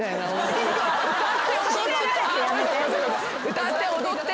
歌って踊って。